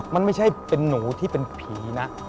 มันไม่ใช่เป็นหนูที่เป็นผีนะ